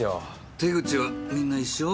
手口はみんな一緒？